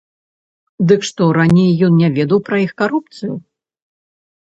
Дык што, раней ён не ведаў пра іх карупцыю?